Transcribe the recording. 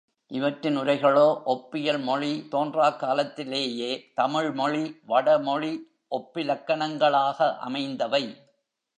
இவற்றின் உரைகளோ ஒப்பியல் மொழி தோன்றாக் காலத்திலேயே தமிழ் மொழி வடமொழி ஒப்பிலக்கணங்களாக அமைந்தவை.